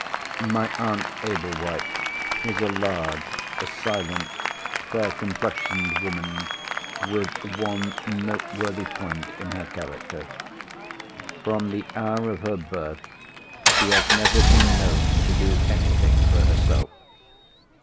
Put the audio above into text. My Aunt Ablewhite is a large, silent, fair complexioned woman, with one noteworthy point in her character. From the hour of her birth she has never been known to do anything for herself.